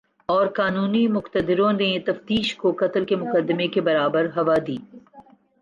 اور قانونی مقتدروں نے تفتیش کو قتل کے مقدمے کے برابر ہوا دی